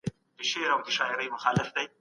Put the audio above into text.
موږ عددونه ليکلای سو.